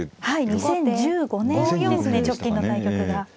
はい２０１５年ですね直近の対局が。